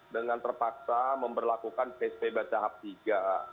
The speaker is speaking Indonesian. dengan terpaksa memperlakukan psbb tahap tiga